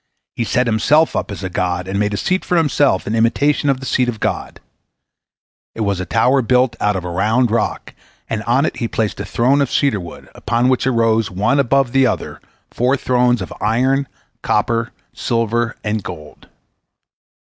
He set himself up as a god, and made a seat for himself in imitation of the seat of God. It was a tower built out of a round rock, and on it he placed a throne of cedar wood, upon which arose, one above the other, four thrones, of iron, copper, silver, and gold.